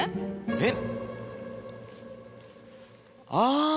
えっ？